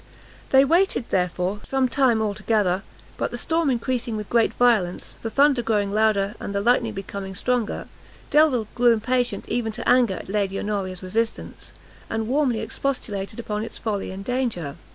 They waited, therefore, some time all together; but the storm increasing with great violence, the thunder growing louder, and the lightning becoming stronger, Delvile grew impatient even to anger at Lady Honoria's resistance, and warmly expostulated upon its folly and danger.